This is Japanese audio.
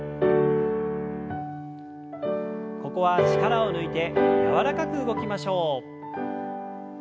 ここは力を抜いて柔らかく動きましょう。